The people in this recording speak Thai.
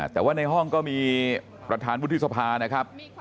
แต่ว่าในห้องก็มีประธานวุฒิสภานะครับ